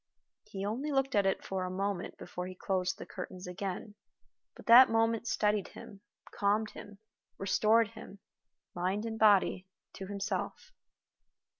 He only looked at it for a moment before he closed the curtains again, but that moment steadied him, calmed him, restored him mind and body to himself.